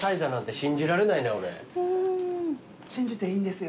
信じていいんですよ。